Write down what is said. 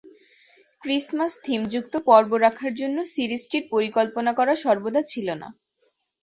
ক্রিসমাস-থিমযুক্ত পর্ব রাখার জন্য সিরিজটির পরিকল্পনা করা সর্বদা ছিল না।